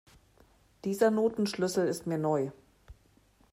Dieser Notenschlüssel ist mir neu.